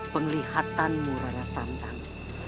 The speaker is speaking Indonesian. penglihatanmu rara santang